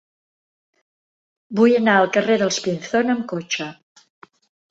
Vull anar al carrer dels Pinzón amb cotxe.